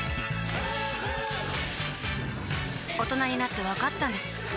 大人になってわかったんです